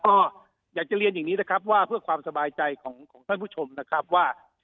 ก็อยากจะเรียนอย่างนี้นะครับว่าเพื่อความสบายใจของท่านผู้ชมนะครับว่า